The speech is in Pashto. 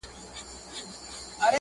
پوهیدم د کتاب پای سره له دې چې